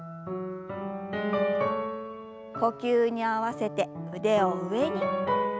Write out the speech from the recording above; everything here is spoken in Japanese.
呼吸に合わせて腕を上に。